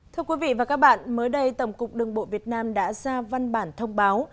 thưa quý vị và các bạn mới đây tổng cục đường bộ việt nam đã ra văn bản thông báo